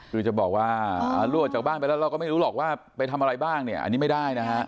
คือจะบอกว่ารั่วจากบ้านไปแล้วเราก็ไม่รู้หรอกว่าไปทำอะไรบ้างเนี่ยอันนี้ไม่ได้นะฮะ